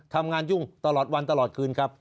ทำงานยุ่งตลอดวันตลอดคืนครับ